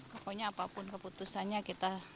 pokoknya apapun keputusannya kita